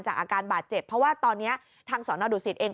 อาการบาดเจ็บเพราะว่าตอนนี้ทางสอนอดุสิตเอง